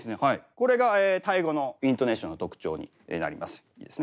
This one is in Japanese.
これがタイ語のイントネーションの特徴になります。